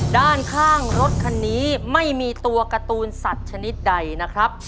ด้านข้างรถคันนี้ไม่มีตัวการ์ตูนสัตว์ชนิดใดนะครับ